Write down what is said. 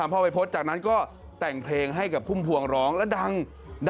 มีนักร้องลูกทุ่งดังมากมายเนี่ยผ่านการปลูกปั้นมาจากพ่อวัยพจน์เพชรสุพรณนะฮะ